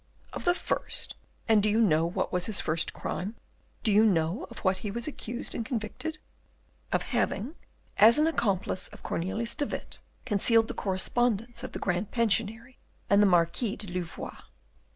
"Of the first? And do you know what was his first crime? Do you know of what he was accused and convicted? Of having, as an accomplice of Cornelius de Witt, concealed the correspondence of the Grand Pensionary and the Marquis de Louvois."